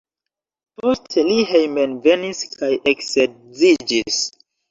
Poste li hejmenvenis kaj eksedziĝis.